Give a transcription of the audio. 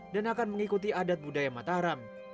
dan akan mengikuti adat budaya mataram